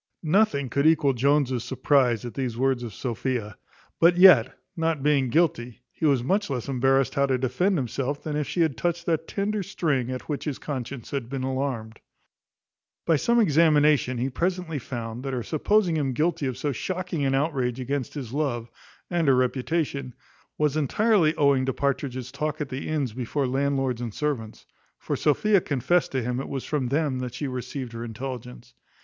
Nothing could equal Jones's surprize at these words of Sophia; but yet, not being guilty, he was much less embarrassed how to defend himself than if she had touched that tender string at which his conscience had been alarmed. By some examination he presently found, that her supposing him guilty of so shocking an outrage against his love, and her reputation, was entirely owing to Partridge's talk at the inns before landlords and servants; for Sophia confessed to him it was from them that she received her intelligence.